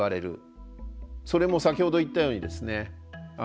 それも先ほど言ったようにですねほぼウソですね。